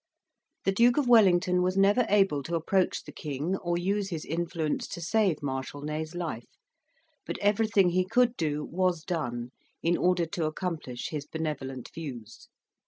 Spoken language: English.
The Duke of Wellington was never able to approach the King or use his influence to save Marshal Ney's life; but everything he could do was done, in order to accomplish his benevolent views.